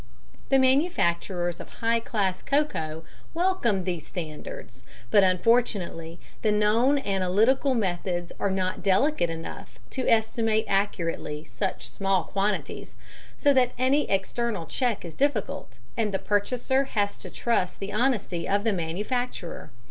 The manufacturers of high class cocoa welcomed these standards, but unfortunately the known analytical methods are not delicate enough to estimate accurately such small quantities, so that any external check is difficult, and the purchaser has to trust to the honesty of the manufacturer.